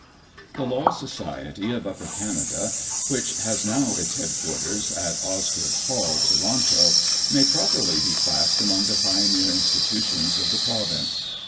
The Law Society of Upper Canada, which has now its headquarters at Osgoode Hall, Toronto, may properly be classed among the pioneer institutions of the province.